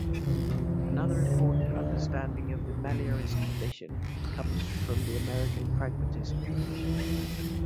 Another important understanding of the meliorist tradition comes from the American Pragmatic tradition.